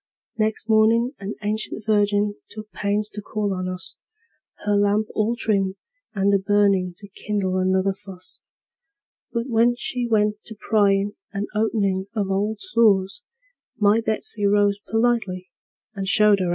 Next mornin' an ancient virgin took pains to call on us, Her lamp all trimmed and a burnin' to kindle another fuss; But when she went to pryin' and openin' of old sores, My Betsey rose politely, and showed her out of doors.